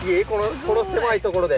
この狭いところで。